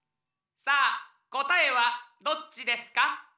さあこたえはどっちですか？